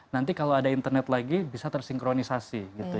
nanti kalau ada internet lagi bisa tersinkronisasi